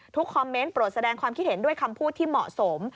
คอมเมนต์โปรดแสดงความคิดเห็นด้วยคำพูดที่เหมาะสม